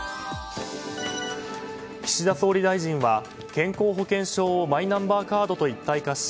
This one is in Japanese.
岸田総理大臣は、健康保険証をマイナンバーカードと一体化し